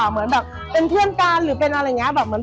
เหมือนแบบเป็นเพื่อนการหรือเป็นอะไรเงี้ย